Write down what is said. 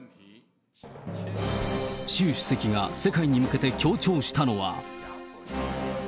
習主席が世界に向けて強調したのは。